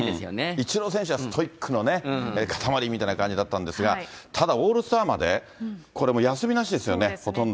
イチロー選手はストイックのね、塊みたいな感じだったんですが、ただオールスターまで、これもう休みなしですよね、ほとんど。